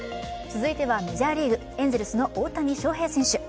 続いてはメジャーリーグ、エンゼルスの大谷翔平選手。